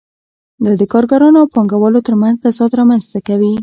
دا د کارګرانو او پانګوالو ترمنځ تضاد رامنځته کوي